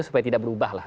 supaya tidak berubah lah